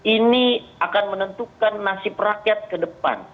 ini akan menentukan nasib rakyat kedepan